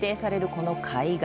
この海岸。